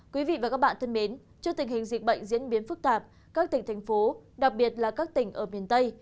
quý vị và các bạn thân mến trước tình hình dịch bệnh diễn biến phức tạp các tỉnh thành phố đặc biệt là các tỉnh ở miền tây